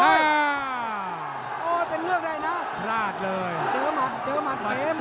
แว่นตรายเลยมาชุดใหญ่เลยนะ